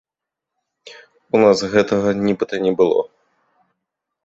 У нас гэтага нібыта не было.